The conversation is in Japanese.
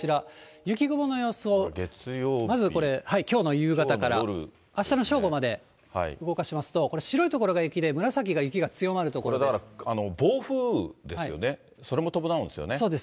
雪雲の様子を、まずこれ、きょう夕方からあしたの正午まで、動かしますと、これ、白い所が雪で、これだから、暴風ですよね、そうです。